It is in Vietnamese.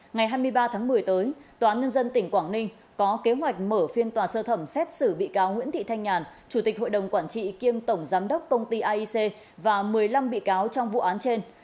ngày hai mươi ba tháng một mươi tới tòa nhân dân tỉnh quảng ninh có kế hoạch mở phiên tòa sơ thẩm xét xử bị cáo nguyễn thị thanh nhàn chủ tịch hội đồng quản trị kiêm tổng giám đốc công ty aic và một mươi năm bị cáo trong vụ án trên